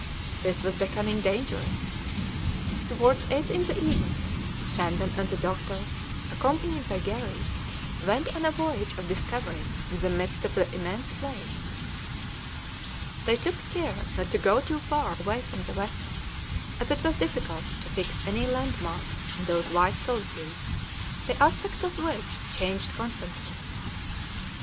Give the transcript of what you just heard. This was becoming dangerous. Towards eight in the evening Shandon and the doctor, accompanied by Garry, went on a voyage of discovery in the midst of the immense plains; they took care not to go too far away from the vessel, as it was difficult to fix any landmarks in those white solitudes, the aspects of which changed constantly.